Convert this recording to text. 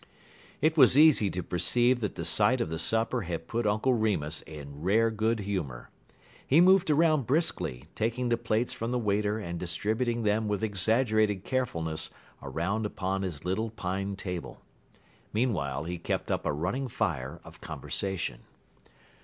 It was easy to perceive that the sight of the supper had put Uncle Remus in rare good humor. He moved around briskly, taking the plates from the waiter and distributing them with exaggerated carefulness around upon his little pine table. Meanwhile he kept up a running fire of conversation.